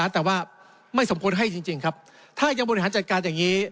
แต่ว่าไม่สมควรให้จริงครับถ้ายังบริหารจัดการอย่างนี้